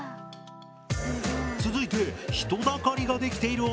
続いて人だかりができているお店を発見！